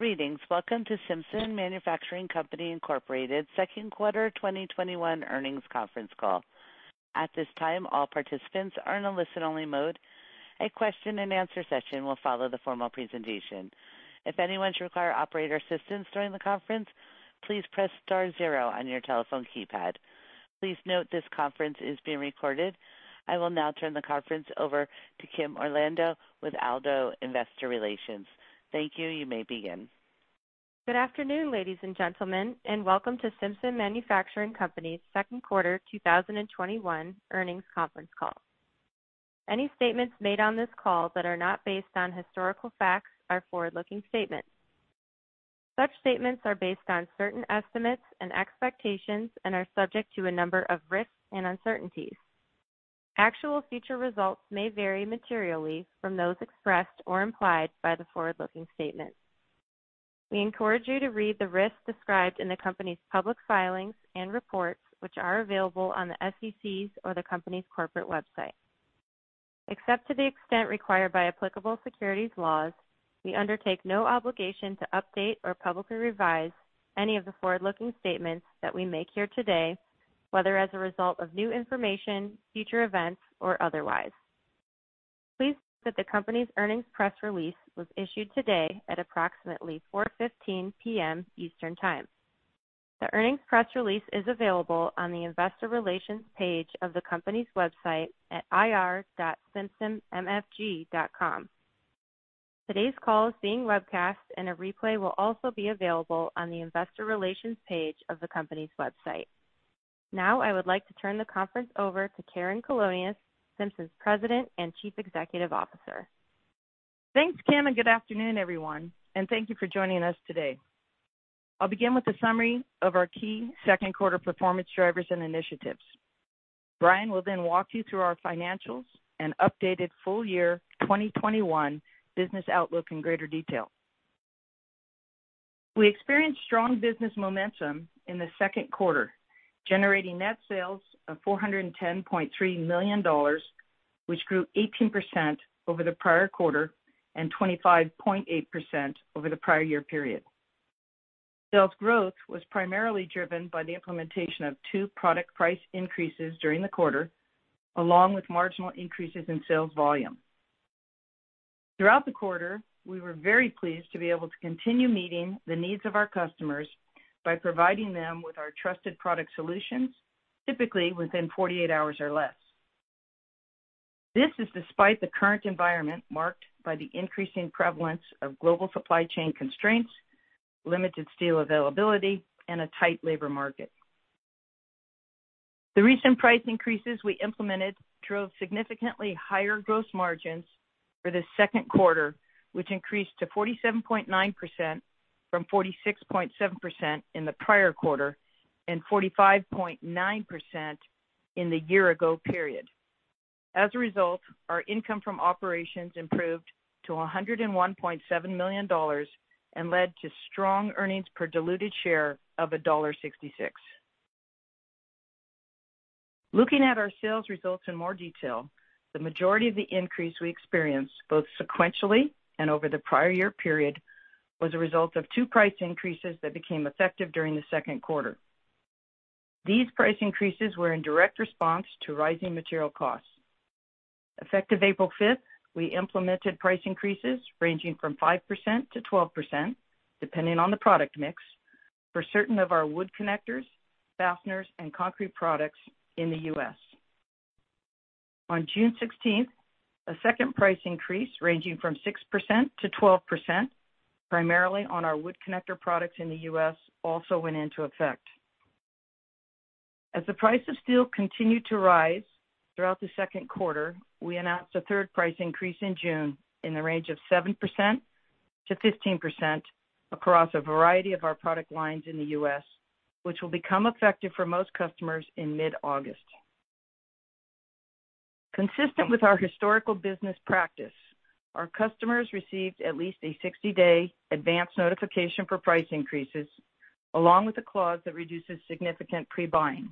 Greetings. Welcome to Simpson Manufacturing Company Incorporated's second quarter 2021 earnings conference call. At this time, all participants are in a listen-only mode. A question-and-answer session will follow the formal presentation. If anyone should require operator assistance during the conference, please press star zero on your telephone keypad. Please note this conference is being recorded. I will now turn the conference over to Kim Orlando with ADDO Investor Relations. Thank you. You may begin. Good afternoon, ladies and gentlemen, and welcome to Simpson Manufacturing Company's second quarter 2021 earnings conference call. Any statements made on this call that are not based on historical facts are forward-looking statements. Such statements are based on certain estimates and expectations and are subject to a number of risks and uncertainties. Actual future results may vary materially from those expressed or implied by the forward-looking statement. We encourage you to read the risks described in the company's public filings and reports, which are available on the SEC's or the company's corporate website. Except to the extent required by applicable securities laws, we undertake no obligation to update or publicly revise any of the forward-looking statements that we make here today, whether as a result of new information, future events, or otherwise. Please note that the company's earnings press release was issued today at approximately 4:15 P.M. Eastern Time. The earnings press release is available on the investor relations page of the company's website at ir.simpsonmfg.com. Today's call is being webcast, and a replay will also be available on the investor relations page of the company's website. Now, I would like to turn the conference over to Karen Colonias, Simpson's President and Chief Executive Officer. Thanks, Kim, and good afternoon, everyone. And thank you for joining us today. I'll begin with a summary of our key second quarter performance drivers and initiatives. Brian will then walk you through our financials and updated full year 2021 business outlook in greater detail. We experienced strong business momentum in the second quarter, generating net sales of $410.3 million, which grew 18% over the prior quarter and 25.8% over the prior year period. Sales growth was primarily driven by the implementation of two product price increases during the quarter, along with marginal increases in sales volume. Throughout the quarter, we were very pleased to be able to continue meeting the needs of our customers by providing them with our trusted product solutions, typically within 48 hours or less. This is despite the current environment marked by the increasing prevalence of global supply chain constraints, limited steel availability, and a tight labor market. The recent price increases we implemented drove significantly higher gross margins for the second quarter, which increased to 47.9% from 46.7% in the prior quarter and 45.9% in the year-ago period. As a result, our income from operations improved to $101.7 million and led to strong earnings per diluted share of $1.66. Looking at our sales results in more detail, the majority of the increase we experienced, both sequentially and over the prior year period, was a result of two price increases that became effective during the second quarter. These price increases were in direct response to rising material costs. Effective April 5th, we implemented price increases ranging from 5% to 12%, depending on the product mix, for certain of our wood connectors, fasteners, and concrete products in the U.S. On June 16th, a second price increase ranging from 6% to 12%, primarily on our wood connector products in the U.S., also went into effect. As the price of steel continued to rise throughout the second quarter, we announced a third price increase in June in the range of 7% to 15% across a variety of our product lines in the U.S., which will become effective for most customers in mid-August. Consistent with our historical business practice, our customers received at least a 60-day advance notification for price increases, along with a clause that reduces significant pre-buying.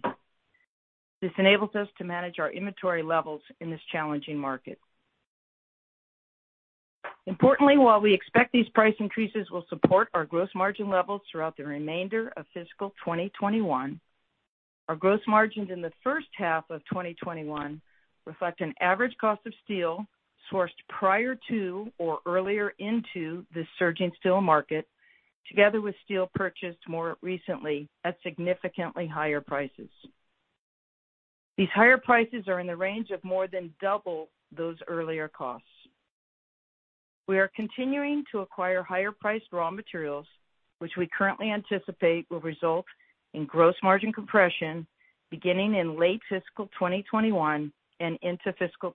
This enables us to manage our inventory levels in this challenging market. Importantly, while we expect these price increases will support our gross margin levels throughout the remainder of fiscal 2021, our gross margins in the first half of 2021 reflect an average cost of steel sourced prior to or earlier into the surging steel market, together with steel purchased more recently at significantly higher prices. These higher prices are in the range of more than double those earlier costs. We are continuing to acquire higher-priced raw materials, which we currently anticipate will result in gross margin compression beginning in late fiscal 2021 and into fiscal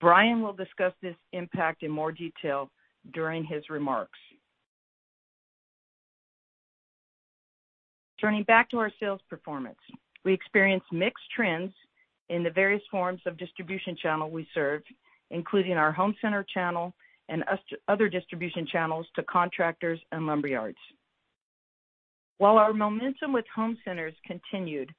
2022. Brian will discuss this impact in more detail during his remarks. Turning back to our sales performance, we experienced mixed trends in the various forms of distribution channel we serve, including our home center channel and other distribution channels to contractors and lumberyards. While our momentum with home centers continued,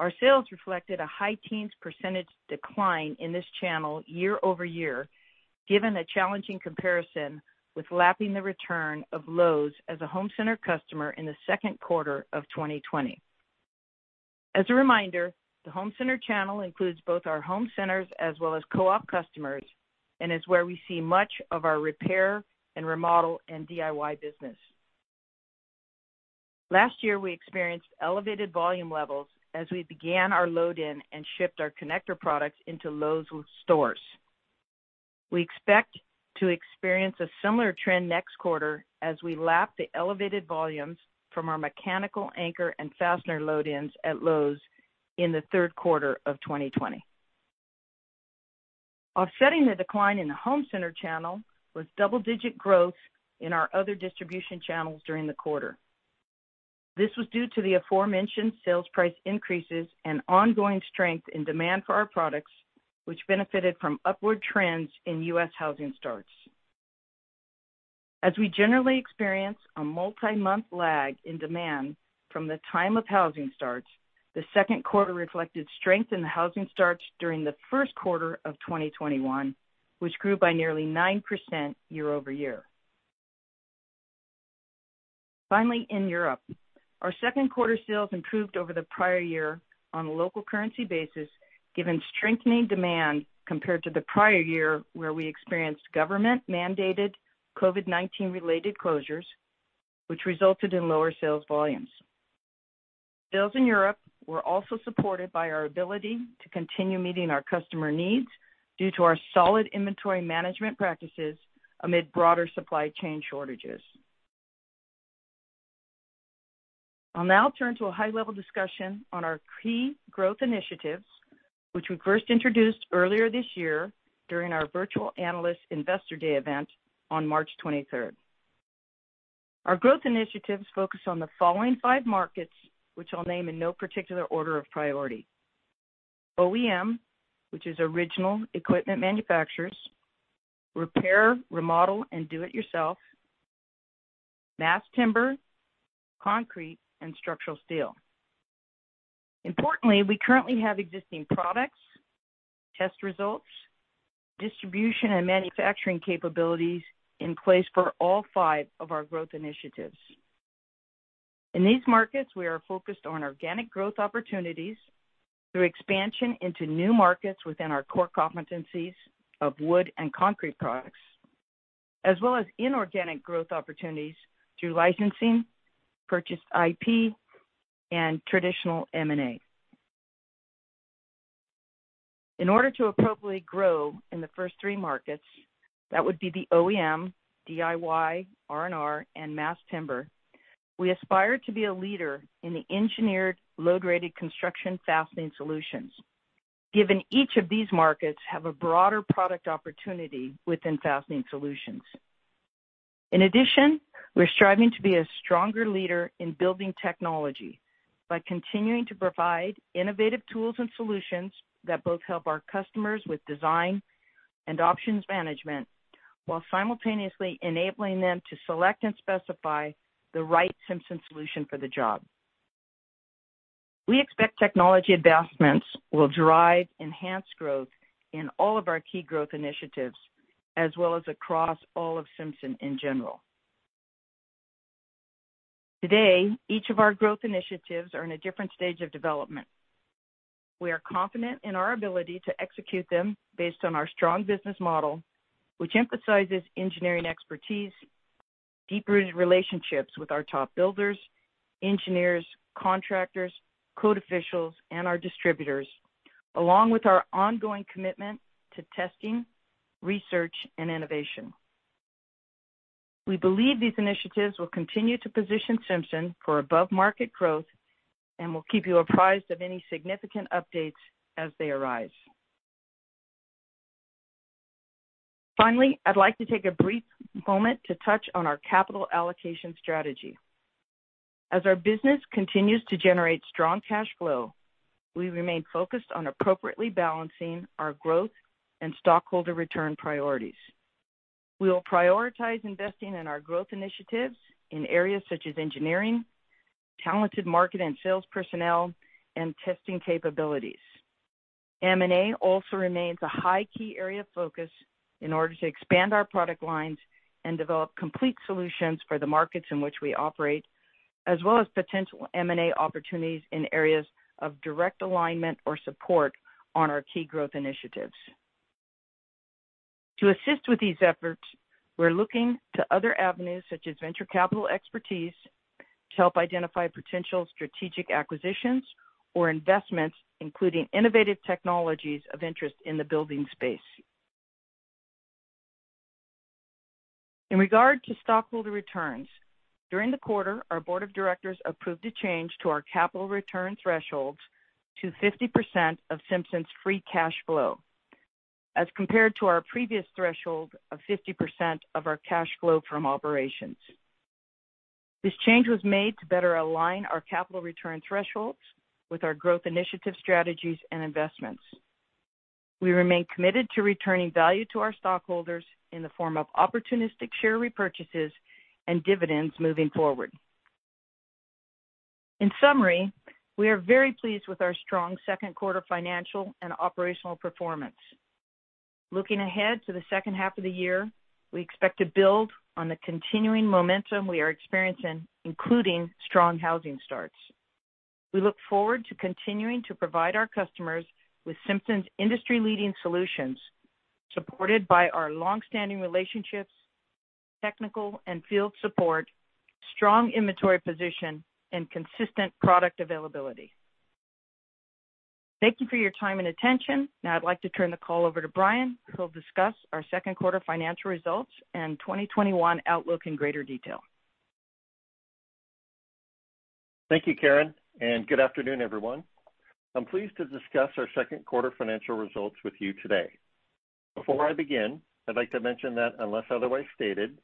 our sales reflected a high-teens percentage decline in this channel year-over-year, given a challenging comparison with lapping the return of Lowe's as a home center customer in the second quarter of 2020. As a reminder, the home center channel includes both our home centers as well as co-op customers and is where we see much of our repair and remodel and DIY business. Last year, we experienced elevated volume levels as we began our load-in and shipped our connector products into Lowe's stores. We expect to experience a similar trend next quarter as we lap the elevated volumes from our mechanical anchor and fastener load-ins at Lowe's in the third quarter of 2020. Offsetting the decline in the home center channel was double-digit growth in our other distribution channels during the quarter. This was due to the aforementioned sales price increases and ongoing strength in demand for our products, which benefited from upward trends in U.S. housing starts. As we generally experience a multi-month lag in demand from the time of housing starts, the second quarter reflected strength in the housing starts during the first quarter of 2021, which grew by nearly 9% year-over-year. Finally, in Europe, our second quarter sales improved over the prior year on a local currency basis, given strengthening demand compared to the prior year where we experienced government-mandated COVID-19-related closures, which resulted in lower sales volumes. Sales in Europe were also supported by our ability to continue meeting our customer needs due to our solid inventory management practices amid broader supply chain shortages. I'll now turn to a high-level discussion on our key growth initiatives, which we first introduced earlier this year during our Virtual Analyst Investor Day event on March 23rd. Our growth initiatives focus on the following five markets, which I'll name in no particular order of priority: OEM, which is original equipment manufacturers; repair, remodel, and do-it-yourself; mass timber; concrete; and structural steel. Importantly, we currently have existing products, test results, distribution, and manufacturing capabilities in place for all five of our growth initiatives. In these markets, we are focused on organic growth opportunities through expansion into new markets within our core competencies of wood and concrete products, as well as inorganic growth opportunities through licensing, purchased IP, and traditional M&A. In order to appropriately grow in the first three markets, that would be the OEM, DIY, R&R, and mass timber, we aspire to be a leader in the engineered load-rated construction fastening solutions, given each of these markets has a broader product opportunity within fastening solutions. In addition, we're striving to be a stronger leader in building technology by continuing to provide innovative tools and solutions that both help our customers with design and options management while simultaneously enabling them to select and specify the right Simpson solution for the job. We expect technology advancements will drive enhanced growth in all of our key growth initiatives, as well as across all of Simpson in general. Today, each of our growth initiatives is in a different stage of development. We are confident in our ability to execute them based on our strong business model, which emphasizes engineering expertise, deep-rooted relationships with our top builders, engineers, contractors, code officials, and our distributors, along with our ongoing commitment to testing, research, and innovation. We believe these initiatives will continue to position Simpson for above-market growth and will keep you apprised of any significant updates as they arise. Finally, I'd like to take a brief moment to touch on our capital allocation strategy. As our business continues to generate strong cash flow, we remain focused on appropriately balancing our growth and stockholder return priorities. We will prioritize investing in our growth initiatives in areas such as engineering, talented market and sales personnel, and testing capabilities. M&A also remains a high key area of focus in order to expand our product lines and develop complete solutions for the markets in which we operate, as well as potential M&A opportunities in areas of direct alignment or support on our key growth initiatives. To assist with these efforts, we're looking to other avenues such as venture capital expertise to help identify potential strategic acquisitions or investments, including innovative technologies of interest in the building space. In regard to stockholder returns, during the quarter, our board of directors approved a change to our capital return thresholds to 50% of Simpson's free cash flow, as compared to our previous threshold of 50% of our cash flow from operations. This change was made to better align our capital return thresholds with our growth initiative strategies and investments. We remain committed to returning value to our stockholders in the form of opportunistic share repurchases and dividends moving forward. In summary, we are very pleased with our strong second quarter financial and operational performance. Looking ahead to the second half of the year, we expect to build on the continuing momentum we are experiencing, including strong housing starts. We look forward to continuing to provide our customers with Simpson's industry-leading solutions, supported by our longstanding relationships, technical and field support, strong inventory position, and consistent product availability. Thank you for your time and attention. Now, I'd like to turn the call over to Brian who'll discuss our second quarter financial results and 2021 outlook in greater detail. Thank you, Karen, and good afternoon, everyone. I'm pleased to discuss our second quarter financial results with you today. Before I begin, I'd like to mention that, unless otherwise stated,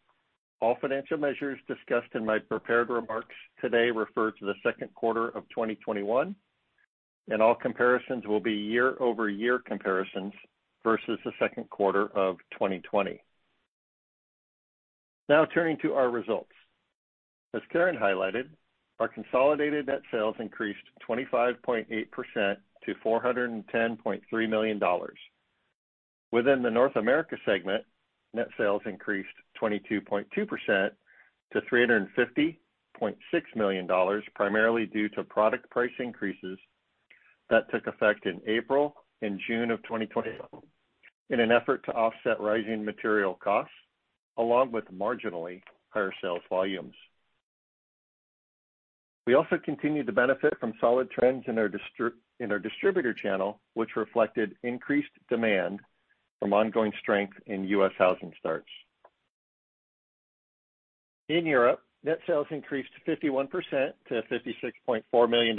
all financial measures discussed in my prepared remarks today refer to the second quarter of 2021, and all comparisons will be year-over-year comparisons versus the second quarter of 2020. Now, turning to our results. As Karen highlighted, our consolidated net sales increased 25.8% to $410.3 million. Within the North America segment, net sales increased 22.2% to $350.6 million, primarily due to product price increases that took effect in April and June of 2021 in an effort to offset rising material costs, along with marginally higher sales volumes. We also continued to benefit from solid trends in our distributor channel, which reflected increased demand from ongoing strength in U.S. housing starts. In Europe, net sales increased 51% to $56.4 million,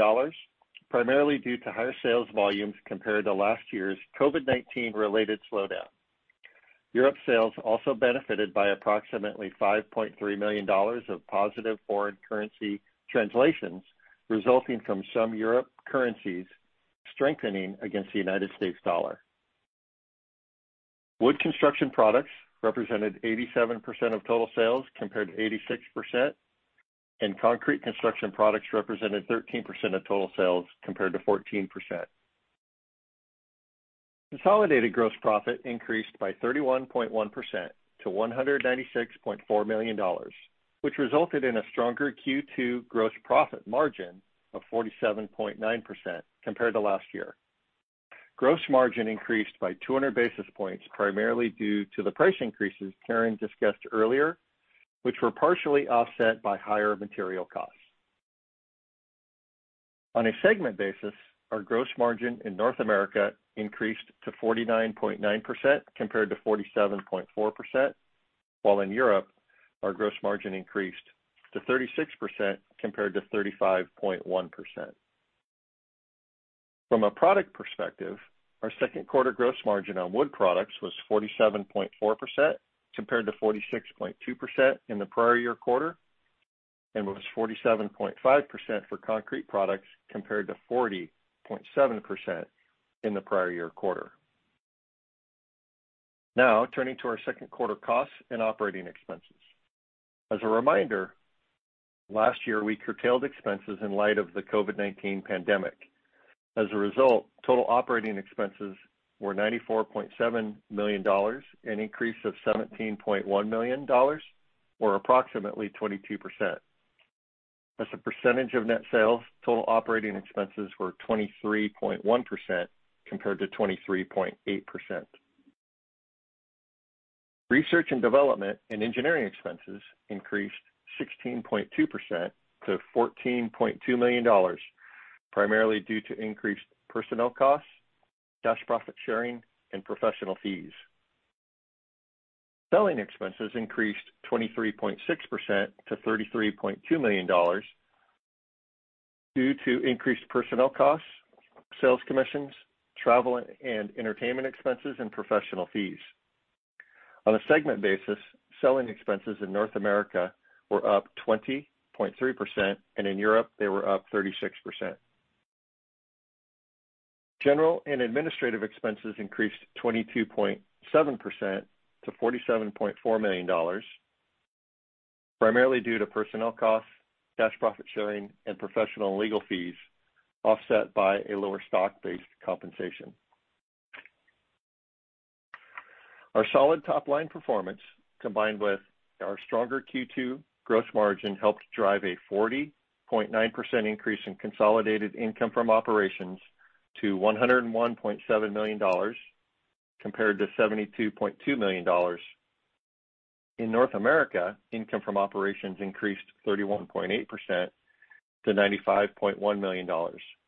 primarily due to higher sales volumes compared to last year's COVID-19-related slowdown. Europe sales also benefited by approximately $5.3 million of positive foreign currency translations resulting from some European currencies strengthening against the United States dollar. Wood construction products represented 87% of total sales compared to 86%, and concrete construction products represented 13% of total sales compared to 14%. Consolidated gross profit increased by 31.1% to $196.4 million, which resulted in a stronger Q2 gross profit margin of 47.9% compared to last year. Gross margin increased by 200 basis points, primarily due to the price increases Karen discussed earlier, which were partially offset by higher material costs. On a segment basis, our gross margin in North America increased to 49.9% compared to 47.4%, while in Europe, our gross margin increased to 36% compared to 35.1%. From a product perspective, our second quarter gross margin on wood products was 47.4% compared to 46.2% in the prior year quarter, and it was 47.5% for concrete products compared to 40.7% in the prior year quarter. Now, turning to our second quarter costs and operating expenses. As a reminder, last year, we curtailed expenses in light of the COVID-19 pandemic. As a result, total operating expenses were $94.7 million and increased to $17.1 million, or approximately 22%. As a percentage of net sales, total operating expenses were 23.1% compared to 23.8%. Research and development and engineering expenses increased 16.2% to $14.2 million, primarily due to increased personnel costs, cash profit sharing, and professional fees. Selling expenses increased 23.6% to $33.2 million due to increased personnel costs, sales commissions, travel and entertainment expenses, and professional fees. On a segment basis, selling expenses in North America were up 20.3%, and in Europe, they were up 36%. General and administrative expenses increased 22.7% to $47.4 million, primarily due to personnel costs, cash profit sharing, and professional and legal fees offset by a lower stock-based compensation. Our solid top-line performance, combined with our stronger Q2 gross margin, helped drive a 40.9% increase in consolidated income from operations to $101.7 million compared to $72.2 million. In North America, income from operations increased 31.8% to $95.1 million,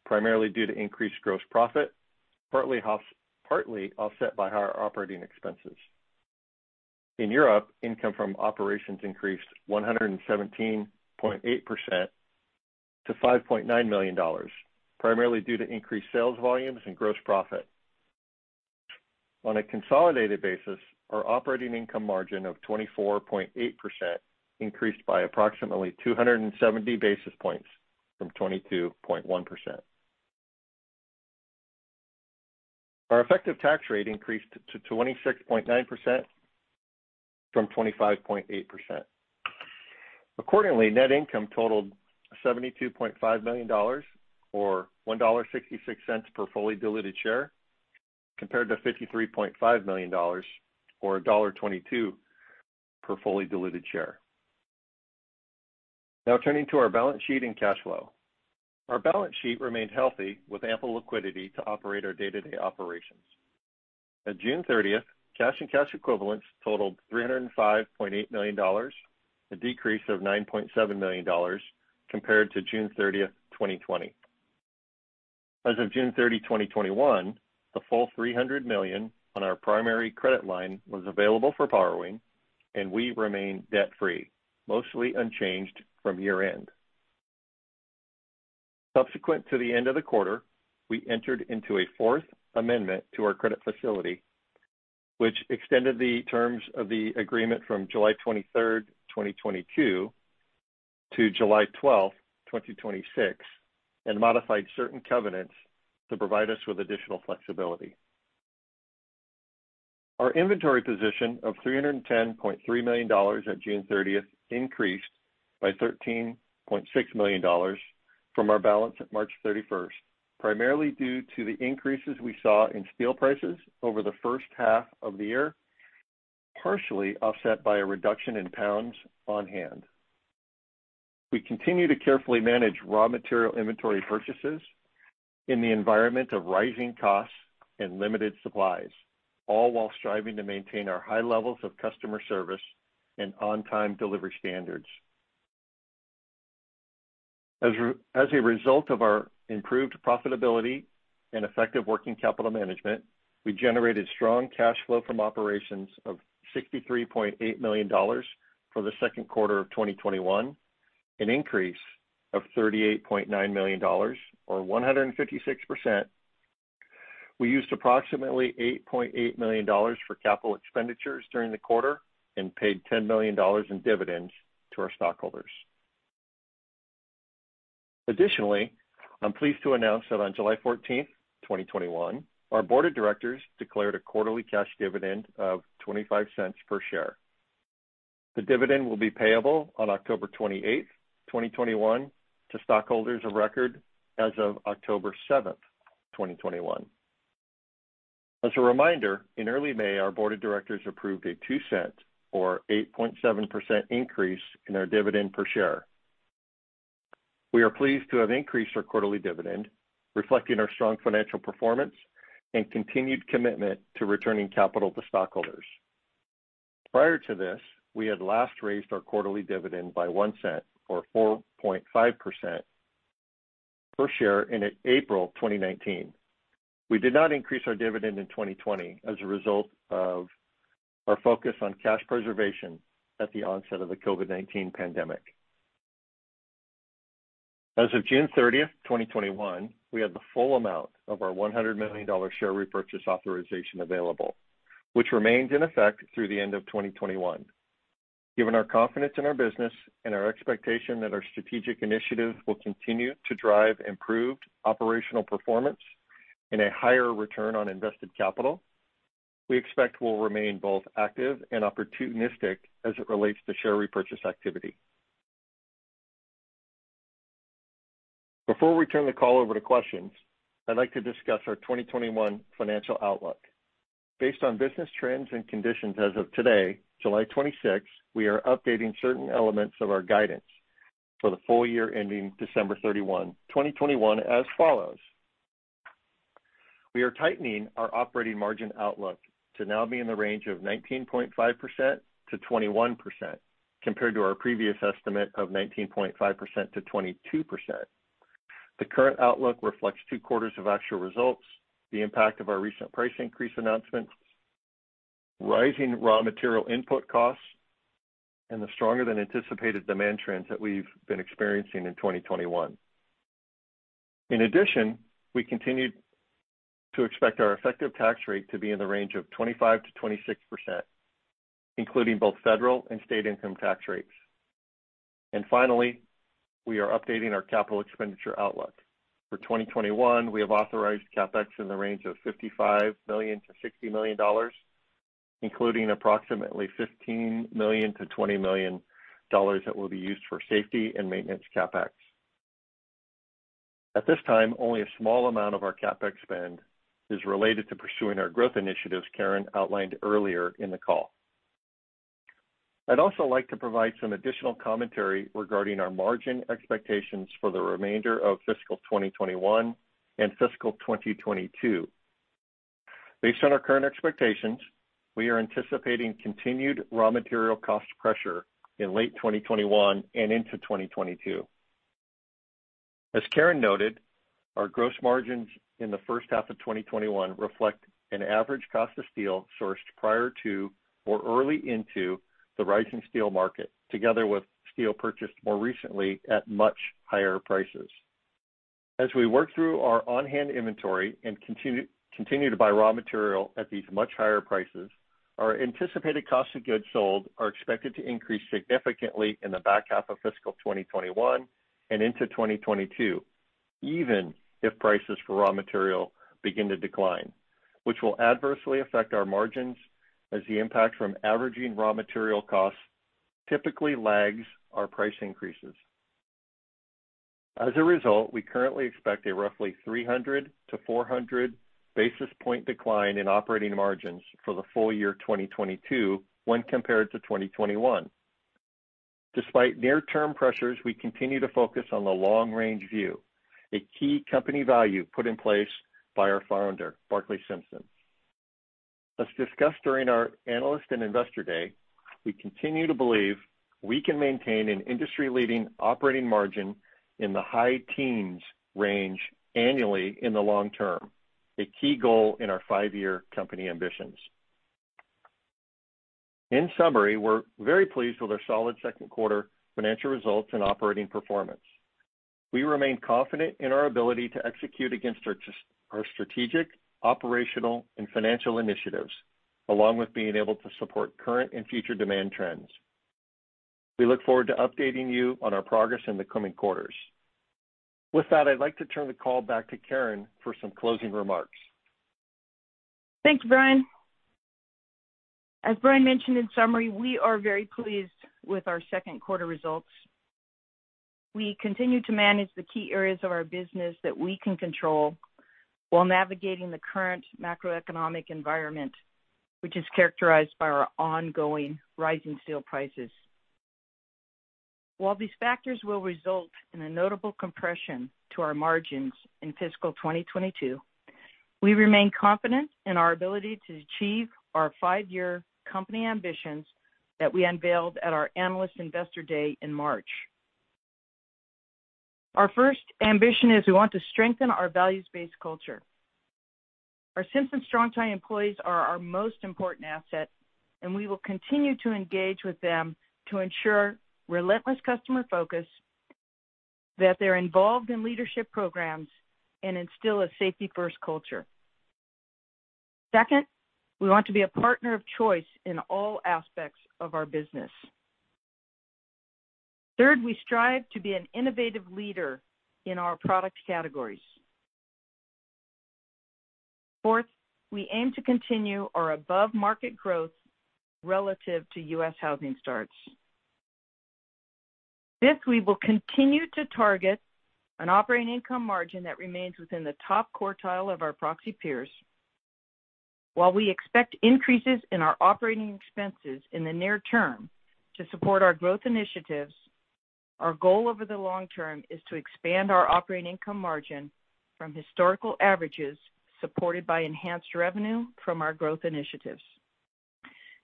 primarily due to increased gross profit, partly offset by higher operating expenses. In Europe, income from operations increased 117.8% to $5.9 million, primarily due to increased sales volumes and gross profit. On a consolidated basis, our operating income margin of 24.8% increased by approximately 270 basis points from 22.1%. Our effective tax rate increased to 26.9% from 25.8%. Accordingly, net income totaled $72.5 million, or $1.66 per fully diluted share, compared to $53.5 million, or $1.22 per fully diluted share. Now, turning to our balance sheet and cash flow. Our balance sheet remained healthy with ample liquidity to operate our day-to-day operations. On June 30th, cash and cash equivalents totaled $305.8 million, a decrease of $9.7 million compared to June 30th, 2020. As of June 30, 2021, the full $300 million on our primary credit line was available for borrowing, and we remained debt-free, mostly unchanged from year-end. Subsequent to the end of the quarter, we entered into a Fourth Amendment to our credit facility, which extended the terms of the agreement from July 23, 2022, to July 12, 2026, and modified certain covenants to provide us with additional flexibility. Our inventory position of $310.3 million at June 30th increased by $13.6 million from our balance at March 31st, primarily due to the increases we saw in steel prices over the first half of the year, partially offset by a reduction in pounds on hand. We continue to carefully manage raw material inventory purchases in the environment of rising costs and limited supplies, all while striving to maintain our high levels of customer service and on-time delivery standards. As a result of our improved profitability and effective working capital management, we generated strong cash flow from operations of $63.8 million for the second quarter of 2021, an increase of $38.9 million, or 156%. We used approximately $8.8 million for capital expenditures during the quarter and paid $10 million in dividends to our stockholders. Additionally, I'm pleased to announce that on July 14, 2021, our board of directors declared a quarterly cash dividend of $0.25 per share. The dividend will be payable on October 28, 2021, to stockholders of record as of October 7, 2021. As a reminder, in early May, our board of directors approved a $0.02, or 8.7%, increase in our dividend per share. We are pleased to have increased our quarterly dividend, reflecting our strong financial performance and continued commitment to returning capital to stockholders. Prior to this, we had last raised our quarterly dividend by $0.01, or 4.5%, per share in April 2019. We did not increase our dividend in 2020 as a result of our focus on cash preservation at the onset of the COVID-19 pandemic. As of June 30, 2021, we had the full amount of our $100 million share repurchase authorization available, which remained in effect through the end of 2021. Given our confidence in our business and our expectation that our strategic initiatives will continue to drive improved operational performance and a higher return on invested capital, we expect we'll remain both active and opportunistic as it relates to share repurchase activity. Before we turn the call over to questions, I'd like to discuss our 2021 financial outlook. Based on business trends and conditions as of today, July 26, we are updating certain elements of our guidance for the full year ending December 31, 2021, as follows. We are tightening our operating margin outlook to now be in the range of 19.5%-21% compared to our previous estimate of 19.5% to 22%. The current outlook reflects two quarters of actual results, the impact of our recent price increase announcements, rising raw material input costs, and the stronger-than-anticipated demand trends that we've been experiencing in 2021. In addition, we continue to expect our effective tax rate to be in the range of 25% to 26%, including both federal and state income tax rates. And finally, we are updating our capital expenditure outlook. For 2021, we have authorized CapEx in the range of $55 million to $60 million, including approximately $15 million to $20 million that will be used for safety and maintenance CapEx. At this time, only a small amount of our CapEx spend is related to pursuing our growth initiatives Karen outlined earlier in the call. I'd also like to provide some additional commentary regarding our margin expectations for the remainder of fiscal 2021 and fiscal 2022. Based on our current expectations, we are anticipating continued raw material cost pressure in late 2021 and into 2022. As Karen noted, our gross margins in the first half of 2021 reflect an average cost of steel sourced prior to or early into the rising steel market, together with steel purchased more recently at much higher prices. As we work through our on-hand inventory and continue to buy raw material at these much higher prices, our anticipated cost of goods sold are expected to increase significantly in the back half of fiscal 2021 and into 2022, even if prices for raw material begin to decline, which will adversely affect our margins as the impact from averaging raw material costs typically lags our price increases. As a result, we currently expect a roughly 300 to 400 basis points decline in operating margins for the full year 2022 when compared to 2021. Despite near-term pressures, we continue to focus on the long-range view, a key company value put in place by our founder, Barclay Simpson. As discussed during our analyst and investor day, we continue to believe we can maintain an industry-leading operating margin in the high teens range annually in the long term, a key goal in our five-year company ambitions. In summary, we're very pleased with our solid second quarter financial results and operating performance. We remain confident in our ability to execute against our strategic, operational, and financial initiatives, along with being able to support current and future demand trends. We look forward to updating you on our progress in the coming quarters. With that, I'd like to turn the call back to Karen for some closing remarks. Thank you, Brian. As Brian mentioned in summary, we are very pleased with our second quarter results. We continue to manage the key areas of our business that we can control while navigating the current macroeconomic environment, which is characterized by our ongoing rising steel prices. While these factors will result in a notable compression to our margins in fiscal 2022, we remain confident in our ability to achieve our five-year company ambitions that we unveiled at our analyst investor day in March. Our first ambition is we want to strengthen our values-based culture. Our Simpson Strong-Tie employees are our most important asset, and we will continue to engage with them to ensure relentless customer focus, that they're involved in leadership programs, and instill a safety-first culture. Second, we want to be a partner of choice in all aspects of our business. Third, we strive to be an innovative leader in our product categories. Fourth, we aim to continue our above-market growth relative to U.S. Housing starts. Fifth, we will continue to target an operating income margin that remains within the top quartile of our proxy peers. While we expect increases in our operating expenses in the near term to support our growth initiatives, our goal over the long term is to expand our operating income margin from historical averages supported by enhanced revenue from our growth initiatives.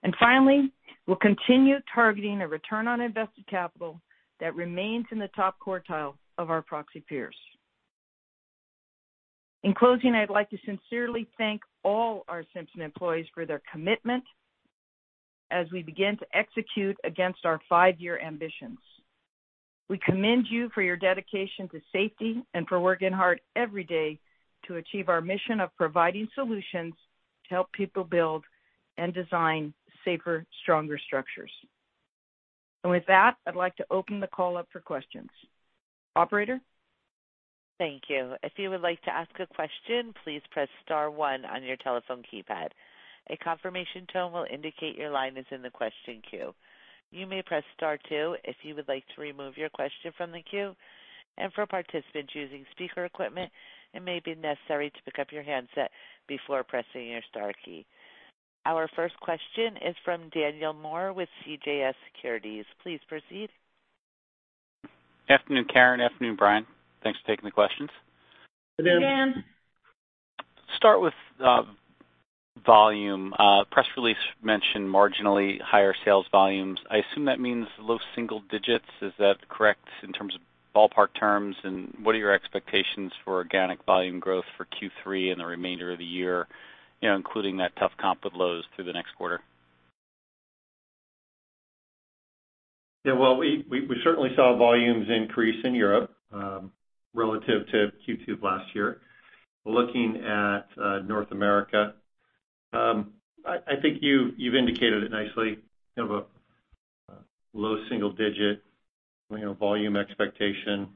And finally, we'll continue targeting a return on invested capital that remains in the top quartile of our proxy peers. In closing, I'd like to sincerely thank all our Simpson employees for their commitment as we begin to execute against our five-year ambitions. We commend you for your dedication to safety and for working hard every day to achieve our mission of providing solutions to help people build and design safer, stronger structures. And with that, I'd like to open the call up for questions. Operator? Thank you. If you would like to ask a question, please press star one on your telephone keypad. A confirmation tone will indicate your line is in the question queue. You may press star two if you would like to remove your question from the queue. And for participants using speaker equipment, it may be necessary to pick up your handset before pressing your star key. Our first question is from Daniel Moore with CJS Securities. Please proceed. Good afternoon, Karen. Good afternoon, Brian. Thanks for taking the questions. Good afternoon. Start with volume. Press release mentioned marginally higher sales volumes. I assume that means low single digits. Is that correct in terms of ballpark terms? And what are your expectations for organic volume growth for Q3 and the remainder of the year, including that tough comp with Lowe's through the next quarter? Yeah. We certainly saw volumes increase in Europe relative to Q2 of last year. Looking at North America, I think you've indicated it nicely. You have a low single-digit volume expectation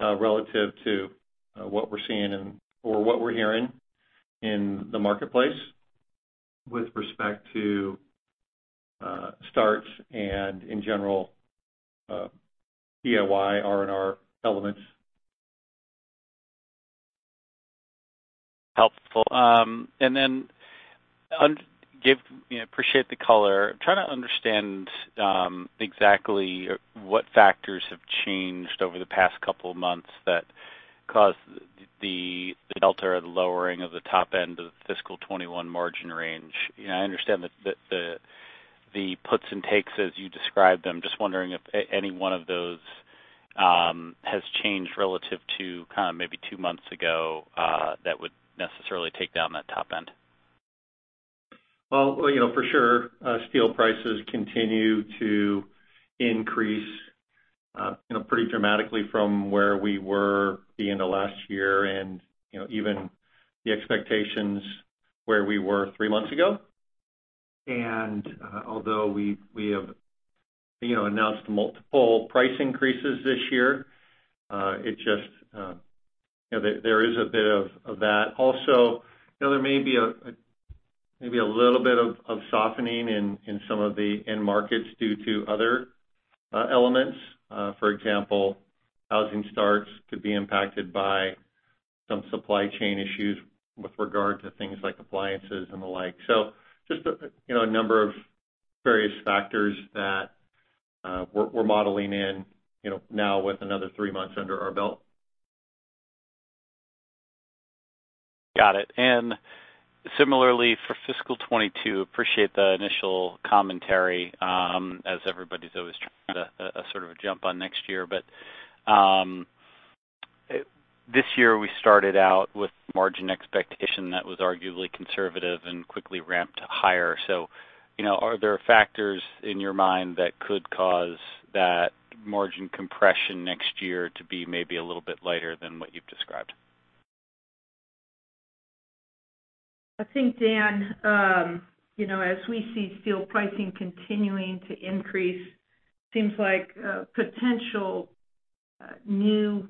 relative to what we're seeing or what we're hearing in the marketplace with respect to starts and, in general, EOY R&R elements. Helpful. And then appreciate the color. I'm trying to understand exactly what factors have changed over the past couple of months that caused the delta or the lowering of the top end of the fiscal 2021 margin range. I understand the puts and takes as you describe them. Just wondering if any one of those has changed relative to kind of maybe two months ago that would necessarily take down that top end. For sure, steel prices continue to increase pretty dramatically from where we were the end of last year and even the expectations where we were three months ago. Although we have announced multiple price increases this year, it just there is a bit of that. Also, there may be a little bit of softening in some of the end markets due to other elements. For example, housing starts could be impacted by some supply chain issues with regard to things like appliances and the like. Just a number of various factors that we're modeling in now with another three months under our belt. Got it. Similarly for fiscal 2022, appreciate the initial commentary as everybody's always trying to sort of jump on next year. This year, we started out with margin expectation that was arguably conservative and quickly ramped higher. So, are there factors in your mind that could cause that margin compression next year to be maybe a little bit lighter than what you've described? I think, Dan, as we see steel pricing continuing to increase, it seems like potential new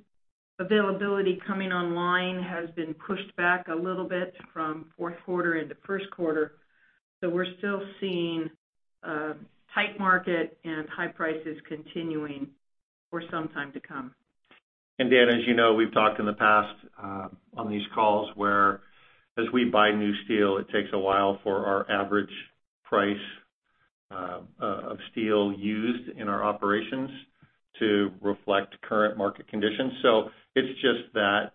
availability coming online has been pushed back a little bit from fourth quarter into first quarter. So we're still seeing tight market and high prices continuing for some time to come. And Dan, as you know, we've talked in the past on these calls where as we buy new steel, it takes a while for our average price of steel used in our operations to reflect current market conditions. So it's just that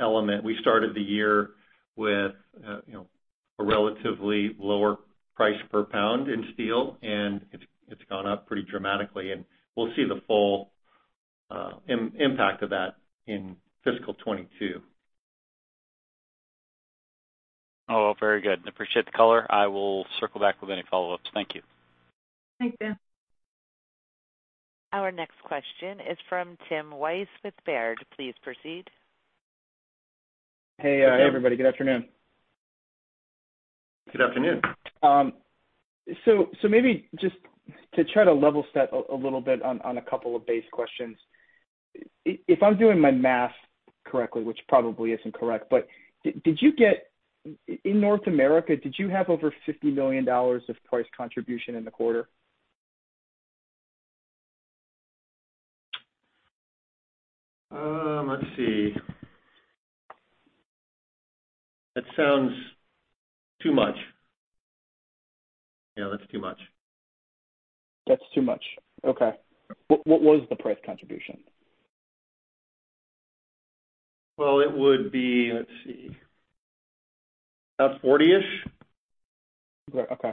element. We started the year with a relatively lower price per pound in steel, and it's gone up pretty dramatically. And we'll see the full impact of that in fiscal 2022. Oh, very good. Appreciate the color. I will circle back with any follow-ups. Thank you. Thank you. Our next question is from Tim Wojs with Baird. Please proceed. Hey, everybody. Good afternoon. Good afternoon. So maybe just to try to level set a little bit on a couple of base questions. If I'm doing my math correctly, which probably isn't correct, but did you get in North America, did you have over $50 million of price contribution in the quarter? Let's see. That sounds too much. Yeah, that's too much. That's too much. Okay. What was the price contribution? Well, it would be, let's see, about $40-ish million. Okay.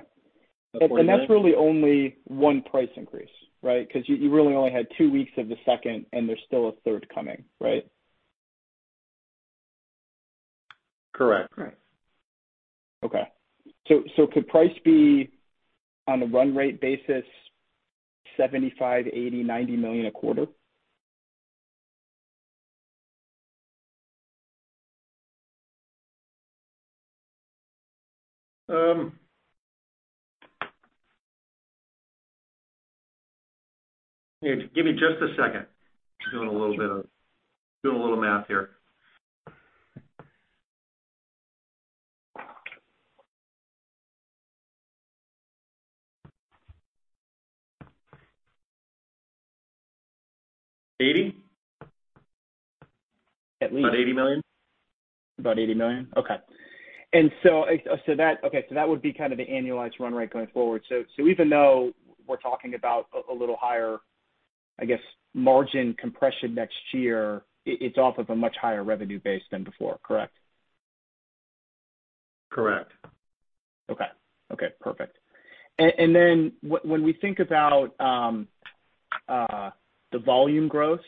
And that's really only one price increase, right? Because you really only had two weeks of the second, and there's still a third coming, right? Correct. Okay. So could price be on a run rate basis, $75, $80, $90 million a quarter? Give me just a second. I'm doing a little bit of math here. 80? At least. About $80 million. Okay. And so that would be kind of the annualized run rate going forward. So even though we're talking about a little higher, I guess, margin compression next year, it's off of a much higher revenue base than before, correct? Correct. Okay. Perfect. And then when we think about the volume growth,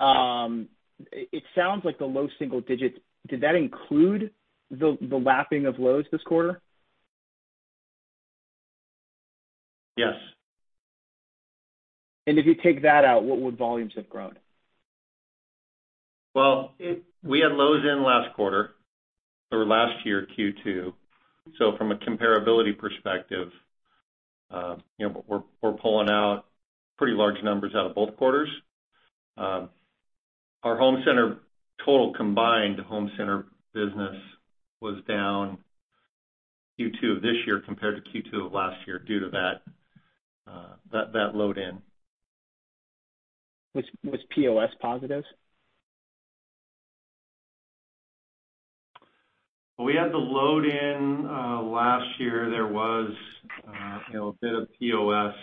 it sounds like the low single digits. Did that include the lapping of lows this quarter? Yes. And if you take that out, what would volumes have grown? Well, we had lows in last quarter or last year, Q2. So from a comparability perspective, we're pulling out pretty large numbers out of both quarters. Our home center total combined home center business was down Q2 of this year compared to Q2 of last year due to that load in. Was POS positive? We had the load in last year. There was a bit of POS.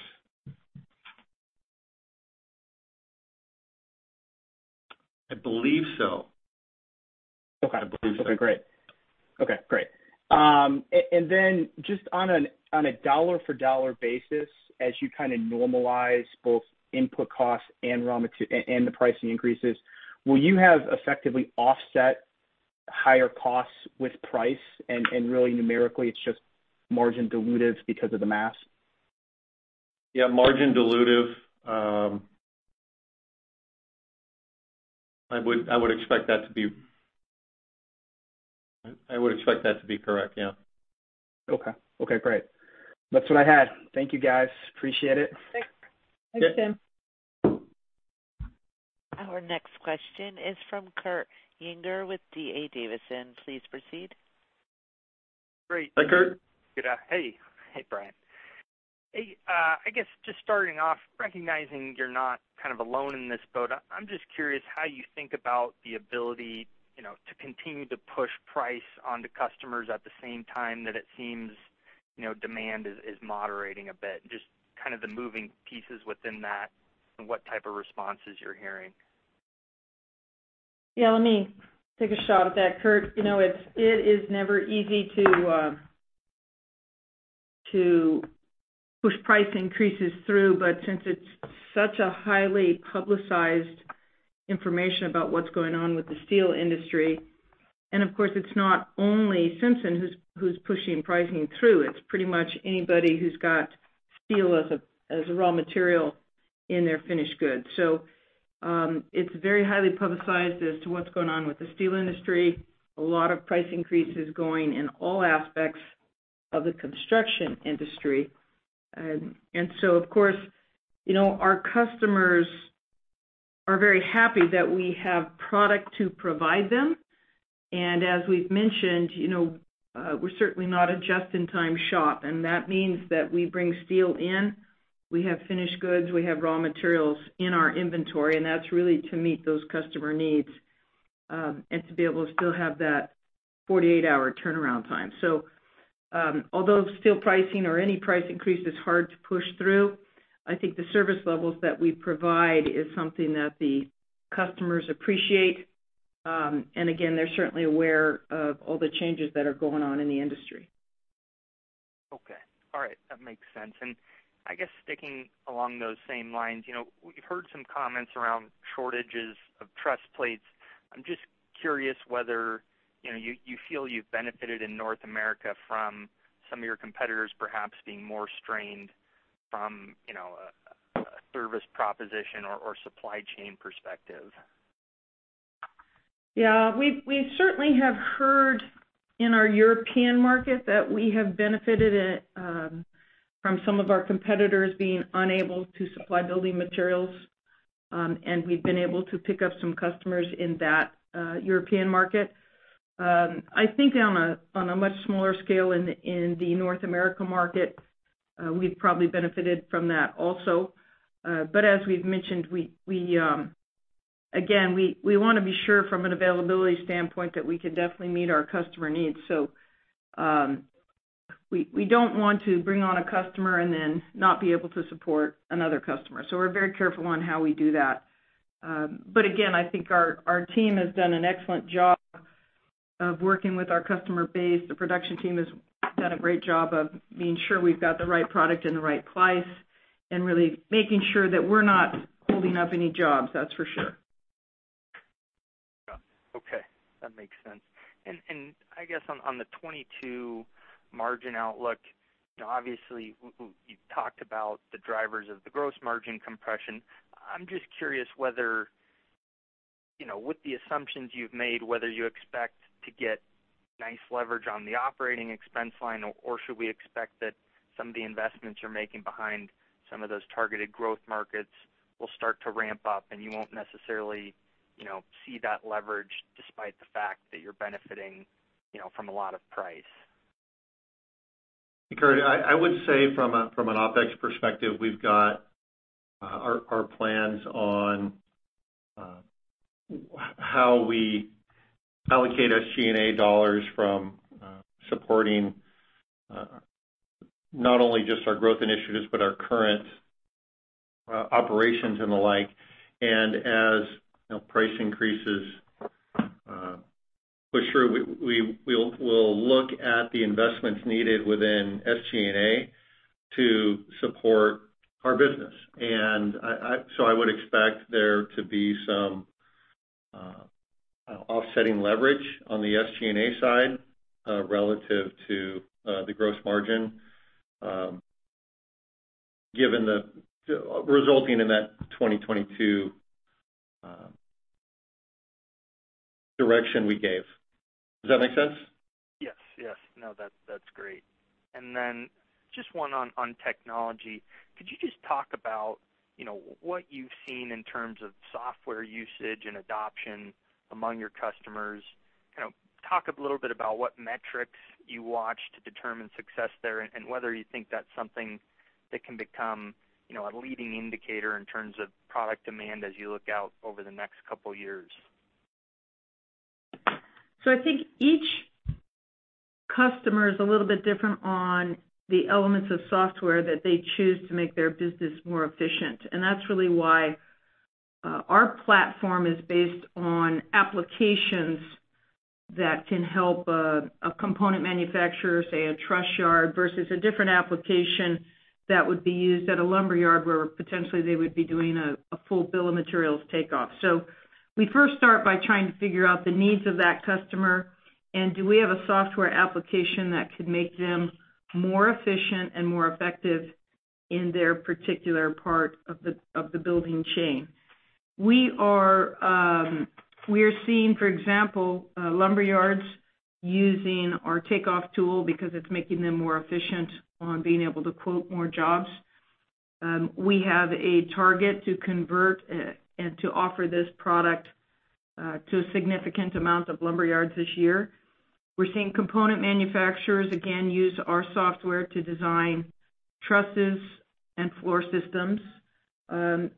I believe so. I believe so. Okay. Okay. Great. Okay. Great. And then just on a dollar-for-dollar basis, as you kind of normalize both input costs and the pricing increases, will you have effectively offset higher costs with price? And really, numerically, it's just margin dilutive because of the mix? Yeah. Margin dilutive. I would expect that to be correct. Yeah. Okay. Okay. Great. That's what I had. Thank you, guys. Appreciate it. Thanks. Thanks, Tim. Our next question is from Kurt Yinger with D.A. Davidson. Please proceed. Great. Hi, Kurt. Hey. Hey, Brian. Hey. I guess just starting off, recognizing you're not kind of alone in this boat, I'm just curious how you think about the ability to continue to push price onto customers at the same time that it seems demand is moderating a bit. Just kind of the moving pieces within that and what type of responses you're hearing. Yeah. Let me take a shot at that. Kurt, it is never easy to push price increases through, but since it's such a highly publicized information about what's going on with the steel industry, and of course, it's not only Simpson who's pushing pricing through. It's pretty much anybody who's got steel as a raw material in their finished goods. So it's very highly publicized as to what's going on with the steel industry. A lot of price increases going in all aspects of the construction industry. And so, of course, our customers are very happy that we have product to provide them. And as we've mentioned, we're certainly not a just-in-time shop. And that means that we bring steel in. We have finished goods. We have raw materials in our inventory. And that's really to meet those customer needs and to be able to still have that 48-hour turnaround time. So although steel pricing or any price increase is hard to push through, I think the service levels that we provide is something that the customers appreciate. And again, they're certainly aware of all the changes that are going on in the industry. Okay. All right. That makes sense. And I guess sticking along those same lines, we've heard some comments around shortages of truss plates. I'm just curious whether you feel you've benefited in North America from some of your competitors perhaps being more strained from a service proposition or supply chain perspective? Yeah. We certainly have heard in our European market that we have benefited from some of our competitors being unable to supply building materials. And we've been able to pick up some customers in that European market. I think on a much smaller scale in the North America market, we've probably benefited from that also. But as we've mentioned, again, we want to be sure from an availability standpoint that we can definitely meet our customer needs. So we don't want to bring on a customer and then not be able to support another customer. So we're very careful on how we do that. But again, I think our team has done an excellent job of working with our customer base. The production team has done a great job of being sure we've got the right product and the right price and really making sure that we're not holding up any jobs, that's for sure. Okay. That makes sense. And I guess on the 2022 margin outlook, obviously, you talked about the drivers of the gross margin compression. I'm just curious whether, with the assumptions you've made, whether you expect to get nice leverage on the operating expense line, or should we expect that some of the investments you're making behind some of those targeted growth markets will start to ramp up and you won't necessarily see that leverage despite the fact that you're benefiting from a lot of price? I would say from an OpEx perspective, we've got our plans on how we allocate SG&A dollars from supporting not only just our growth initiatives, but our current operations and the like. And as price increases push through, we'll look at the investments needed within SG&A to support our business. And so I would expect there to be some offsetting leverage on the SG&A side relative to the gross margin resulting in that 2022 direction we gave. Does that make sense? Yes. Yes. No, that's great. And then just one on technology. Could you just talk about what you've seen in terms of software usage and adoption among your customers? Talk a little bit about what metrics you watch to determine success there and whether you think that's something that can become a leading indicator in terms of product demand as you look out over the next couple of years. So I think each customer is a little bit different on the elements of software that they choose to make their business more efficient. And that's really why our platform is based on applications that can help a component manufacturer, say, a truss yard versus a different application that would be used at a lumber yard where potentially they would be doing a full bill of materials takeoff. So we first start by trying to figure out the needs of that customer. And do we have a software application that could make them more efficient and more effective in their particular part of the building chain? We are seeing, for example, lumber yards using our takeoff tool because it's making them more efficient on being able to quote more jobs. We have a target to convert and to offer this product to a significant amount of lumber yards this year. We're seeing component manufacturers, again, use our software to design trusses and floor systems.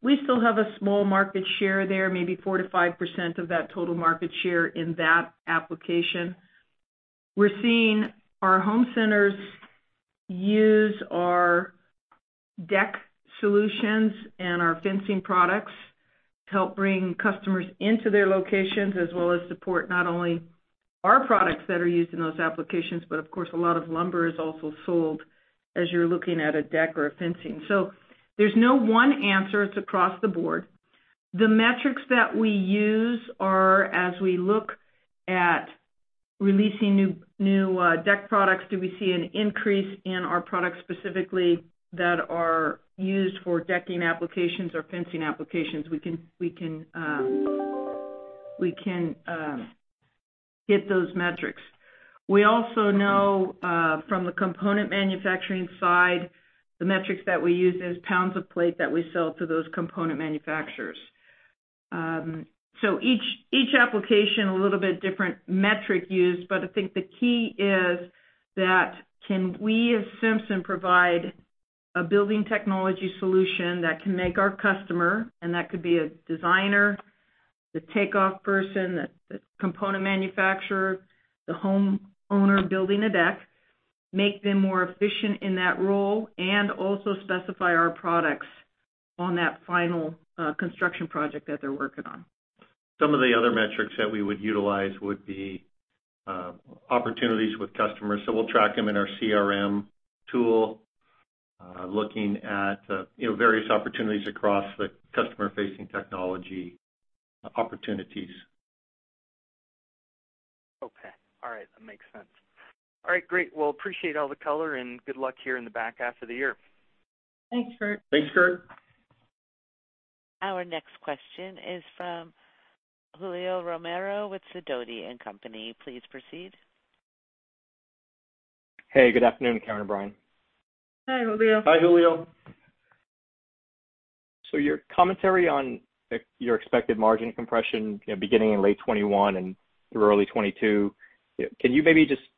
We still have a small market share there, maybe 4% to 5% of that total market share in that application. We're seeing our home centers use our deck solutions and our fencing products to help bring customers into their locations as well as support not only our products that are used in those applications, but of course, a lot of lumber is also sold as you're looking at a deck or a fencing. So there's no one answer. It's across the board. The metrics that we use are as we look at releasing new deck products, do we see an increase in our products specifically that are used for decking applications or fencing applications? We can get those metrics. We also know from the component manufacturing side, the metrics that we use is pounds of plate that we sell to those component manufacturers. So each application, a little bit different metric used. But I think the key is that can we as Simpson provide a building technology solution that can make our customer, and that could be a designer, the takeoff person, the component manufacturer, the homeowner building a deck, make them more efficient in that role, and also specify our products on that final construction project that they're working on. Some of the other metrics that we would utilize would be opportunities with customers. So we'll track them in our CRM tool, looking at various opportunities across the customer-facing technology opportunities. Okay. All right. That makes sense. All right. Great. Well, appreciate all the color and good luck here in the back half of the year. Thanks, Kurt. Thanks, Kurt. Our next question is from Julio Romero with Sidoti & Company. Please proceed. Hey. Good afternoon, Karen and Brian. Hi, Julio. Hi, Julio. So your commentary on your expected margin compression beginning in late 2021 and through early 2022, can you maybe just talk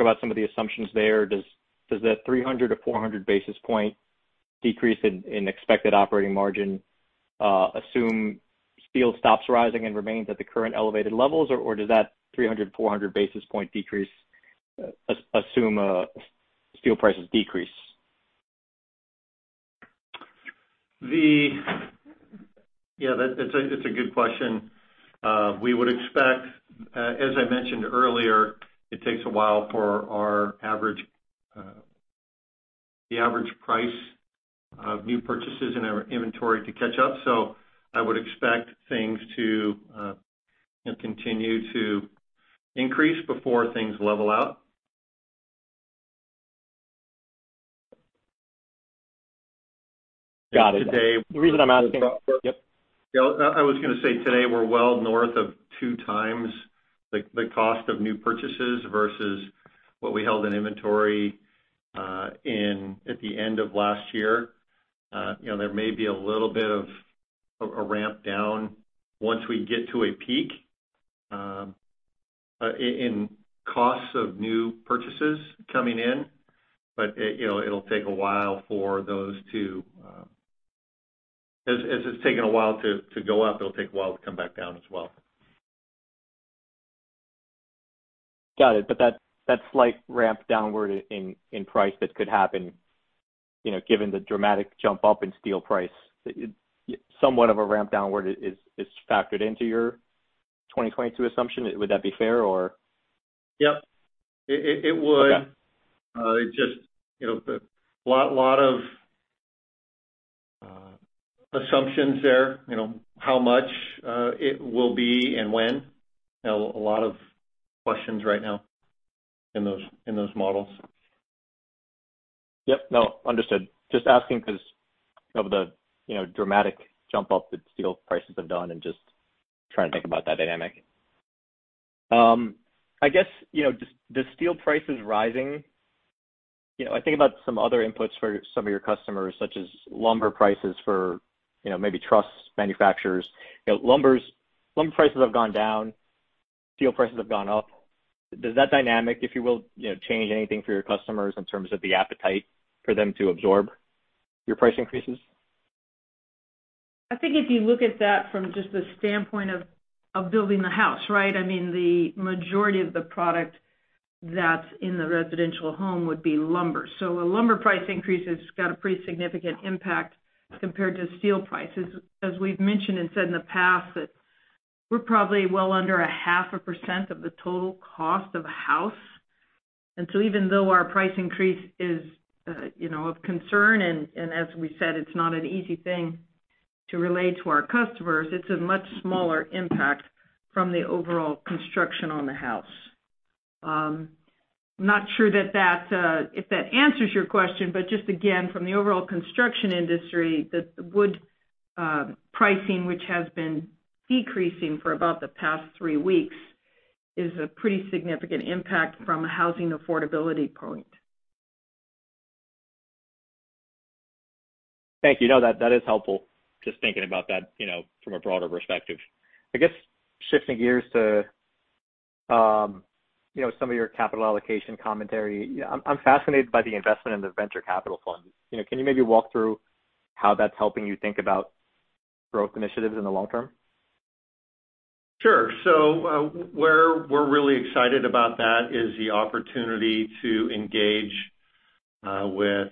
about some of the assumptions there? Does that 300 to 400 basis point decrease in expected operating margin assume steel stops rising and remains at the current elevated levels, or does that 300 to 400 basis point decrease assume steel prices decrease? Yeah. That's a good question. We would expect, as I mentioned earlier, it takes a while for the average price of new purchases in our inventory to catch up. So I would expect things to continue to increase before things level out. Got it. The reason I'm asking yep. I was going to say today we're well north of two times the cost of new purchases versus what we held in inventory at the end of last year. There may be a little bit of a ramp down once we get to a peak in costs of new purchases coming in, but it'll take a while for those to as it's taken a while to go up, it'll take a while to come back down as well. Got it. But that slight ramp downward in price that could happen given the dramatic jump up in steel price, somewhat of a ramp downward is factored into your 2022 assumption. Would that be fair, or? Yep. It would. It's just a lot of assumptions there, how much it will be and when. A lot of questions right now in those models. Yep. No, understood. Just asking because of the dramatic jump up that steel prices have done and just trying to think about that dynamic. I guess the steel prices rising, I think about some other inputs for some of your customers, such as lumber prices for maybe truss manufacturers. Lumber prices have gone down. Steel prices have gone up. Does that dynamic, if you will, change anything for your customers in terms of the appetite for them to absorb your price increases? I think if you look at that from just the standpoint of building the house, right, I mean, the majority of the product that's in the residential home would be lumber. So a lumber price increase has got a pretty significant impact compared to steel prices. As we've mentioned and said in the past, that we're probably well under 0.5% of the total cost of a house. And so even though our price increase is of concern, and as we said, it's not an easy thing to relate to our customers, it's a much smaller impact from the overall construction on the house. I'm not sure that that answers your question, but just again, from the overall construction industry, the wood pricing, which has been decreasing for about the past three weeks, is a pretty significant impact from a housing affordability point. Thank you. No, that is helpful. Just thinking about that from a broader perspective. I guess shifting gears to some of your capital allocation commentary, I'm fascinated by the investment in the venture capital fund. Can you maybe walk through how that's helping you think about growth initiatives in the long term? Sure. So where we're really excited about that is the opportunity to engage with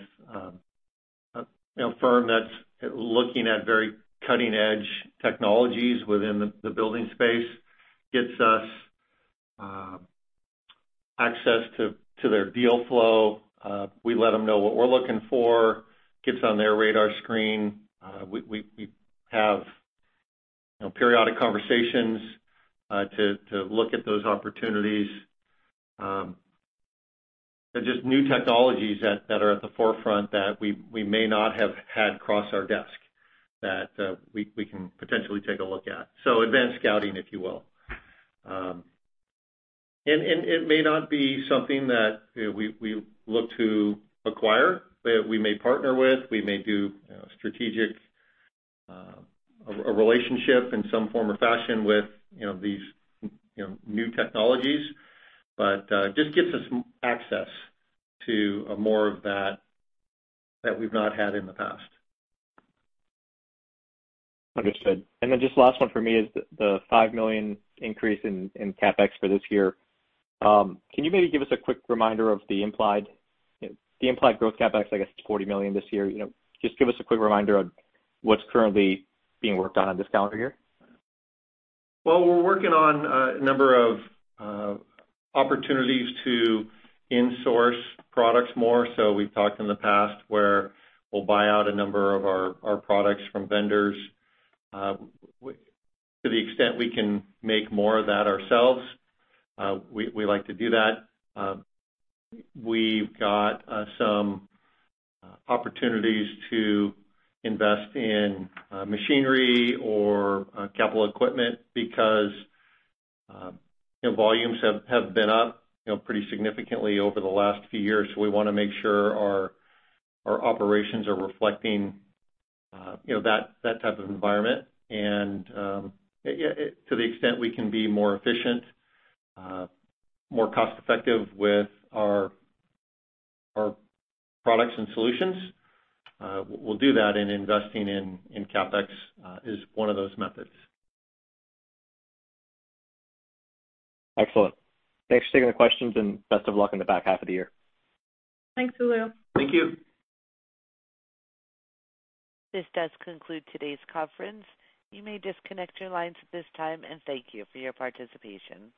a firm that's looking at very cutting-edge technologies within the building space. Gets us access to their deal flow. We let them know what we're looking for. Gets on their radar screen. We have periodic conversations to look at those opportunities. There are just new technologies that are at the forefront that we may not have had cross our desk that we can potentially take a look at. So advanced scouting, if you will. And it may not be something that we look to acquire, but we may partner with. We may do strategic a relationship in some form or fashion with these new technologies, but just gives us access to more of that that we've not had in the past. Understood. Just last one for me is the $5 million increase in CapEx for this year. Can you maybe give us a quick reminder of the implied growth CapEx? I guess it's $40 million this year. Just give us a quick reminder of what's currently being worked on in this calendar year? We're working on a number of opportunities to insource products more. So we've talked in the past where we'll buy out a number of our products from vendors to the extent we can make more of that ourselves. We like to do that. We've got some opportunities to invest in machinery or capital equipment because volumes have been up pretty significantly over the last few years. So we want to make sure our operations are reflecting that type of environment. And to the extent we can be more efficient, more cost-effective with our products and solutions, we'll do that. And investing in CapEx is one of those methods. Excellent. Thanks for taking the questions and best of luck in the back half of the year. Thanks, Julio. Thank you. This does conclude today's conference. You may disconnect your lines at this time and thank you for your participation.